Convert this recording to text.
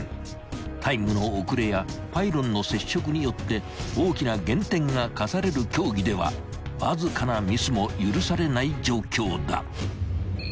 ［タイムの遅れやパイロンの接触によって大きな減点が科される競技ではわずかなミスも許されない状況だ］